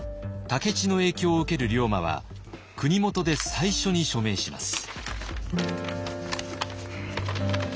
武市の影響を受ける龍馬は国元で最初に署名します。